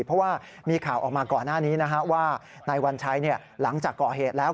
เพราะว่ามีข่าวออกมาก่อนหน้านี้ว่านายวัญชัยหลังจากก่อเหตุแล้ว